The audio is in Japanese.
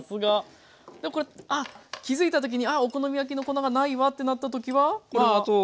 でもこれ気付いた時にあお好み焼きの粉がないわってなった時はこれは？